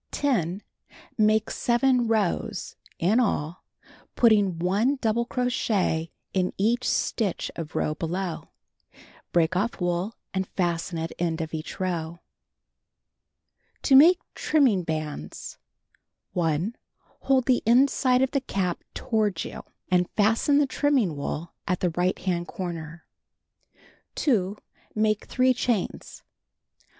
10. Make 7 rows (in all) putting 1 double crochet in each stitch of row below. Break off wool and fasten at end of each row. To Make Trimming Bands : 1. Hold the inside of the cap toward you, and fasten the trinnning wool at the right hand corner. 2. Make 3 chains.